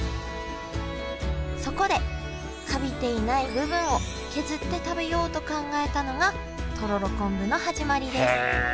そこでカビていない部分を削って食べようと考えたのがとろろ昆布の始まりです